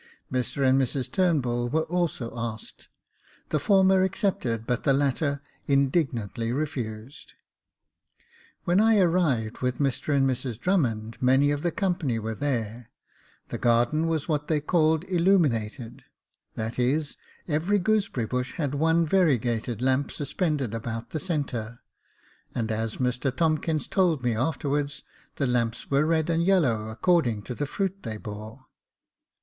Mr and Mrs Turn bull were also asked : the former accepted, but the latter indignantly refused. When I arrived with Mr and Mrs Drummond many of the company were there j the garden was what they called illuminated, that is, every gooseberry bush had one varie gated lamp suspended about the centre ; and, as Mr Tomkins told me afterwards, the lamps were red and yellow, according to the fruit they bore.